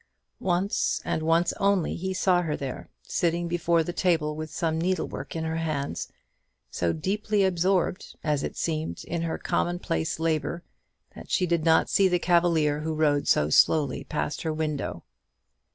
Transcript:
Once and once only he saw her there, sitting before the table with some needlework in her hands, so deeply absorbed, as it seemed, in her commonplace labour that she did not see the cavalier who rode so slowly past her window.